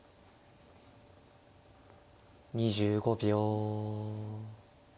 ２５秒。